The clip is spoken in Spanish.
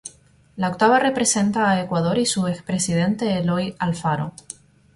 La octava representa a Ecuador y su expresidente Eloy Alfaro.